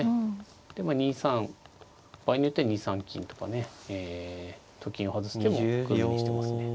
で２三場合によっては２三金とかねと金を外す手も含みにしてますね。